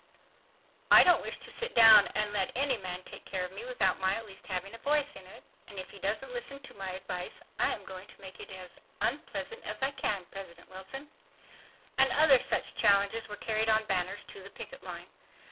"I don't wish to sit down and let any man take care of me without my at least having a voice in it, and if he doesn't listen to my advice, I am going to make it as unpleasant as I can."—President Wilson,—and other challenges were carried on banners to the picket line.